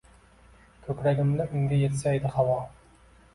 Ko‘kragimda unga yetsaydi, havo.